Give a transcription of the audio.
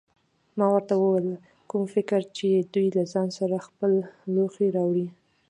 ما ورته وویل: فکر کوم چې دوی له ځان سره خپل لوښي راوړي.